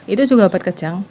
itu juga obat kejang